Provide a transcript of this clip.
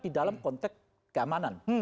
di dalam konteks keamanan